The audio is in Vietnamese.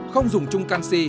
không dùng chung canxi